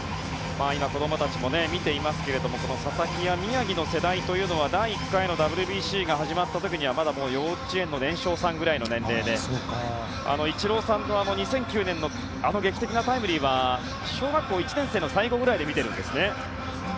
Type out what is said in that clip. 今、子供たちも見ていますが佐々木や宮城の世代というのは第１回のＷＢＣが始まった時にはまだ幼稚園の年少さんぐらいの年齢でイチローさんの２００９年のあの劇的なタイムリーは小学校１年生の最後ぐらいで見ているんですね。